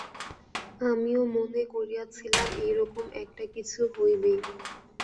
আমিও মনে করিয়াছিলাম এইরকম একটা কিছু হইবেই।